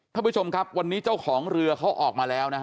ท่านผู้ชมครับวันนี้เจ้าของเรือเขาออกมาแล้วนะฮะ